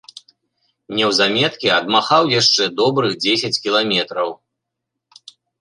Неўзаметкі адмахаў яшчэ добрых дзесяць кіламетраў.